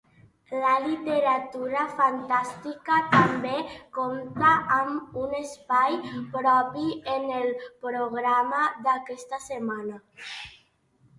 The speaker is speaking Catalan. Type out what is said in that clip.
La literatura fantàstica també comptarà amb un espai propi en el programa d'aquesta setmana.